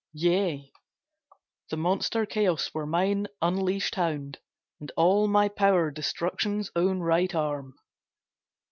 Yea, The monster Chaos were mine unleashed hound, And all my power Destruction's own right arm!